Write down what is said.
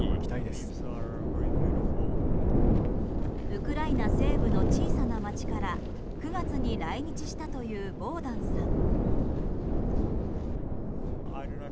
ウクライナ西部の小さな町から９月に来日したというボーダンさん。